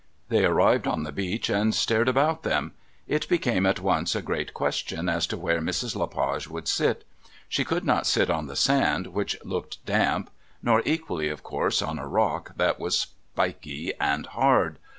They arrived on the beach and stared about them. It became at once a great question as to where Mrs. Le Page would sit. She could not sit on the sand which looked damp, nor equally, of course, on a rock that was spiky and hard.